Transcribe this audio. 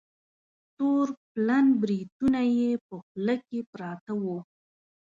تور پلن بریتونه یې په خوله کې پراته وه.